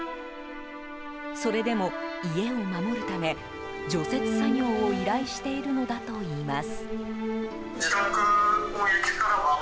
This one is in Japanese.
それでも家を守るため除雪作業を依頼しているのだといいます。